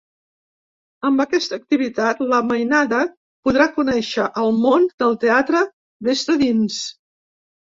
Amb aquesta activitat la mainada podrà conèixer el món del teatre des de dins.